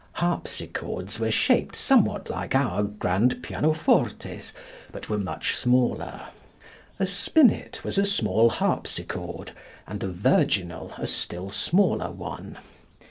Harpsichords were shaped somewhat like our grand pianofortes, but were much smaller. A spinet was a small harpsichord, and the virginal a still smaller one.